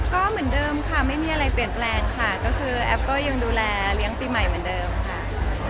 ก็เหมือนเดิมค่ะไม่มีอะไรเปลี่ยนแปลงค่ะก็คือแอฟก็ยังดูแลเลี้ยงปีใหม่เหมือนเดิมค่ะ